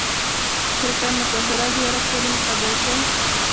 خرقه مطهره زیارت ولې مقدس دی؟